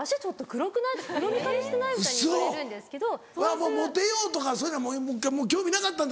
もうモテようとかそういうのは興味なかったんだ